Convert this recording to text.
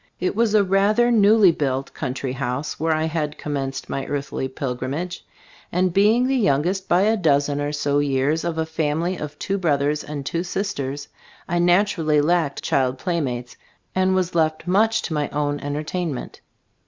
It was a rather newly built country house where I had commenced my earthly pilgrimage, and being the youngest by a dozen or so years, of a family of two brothers and two sisters, I naturally lacked child playmates and was left much to my own entertainment.